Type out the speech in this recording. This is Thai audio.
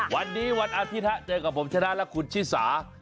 วันนี้วันอาทิตย์เจอกับผมชนะและคุณชิสา